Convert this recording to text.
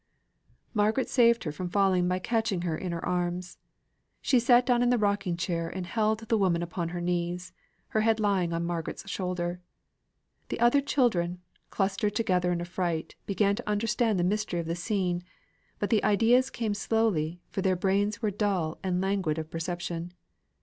Margaret saved her from falling by catching her in her arms. She sate down in the rocking chair, and held the woman upon her knees, her head lying on Margaret's shoulder. The other children, clustered together in affright, began to understand the mystery of the scene; but the ideas came slowly, for their brains were dull and languid of perception.